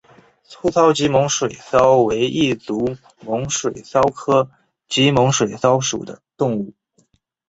粗糙棘猛水蚤为异足猛水蚤科棘猛水蚤属的动物。